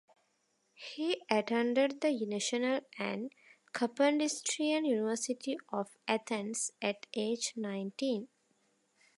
He attended the National and Kapodistrian University of Athens at age nineteen.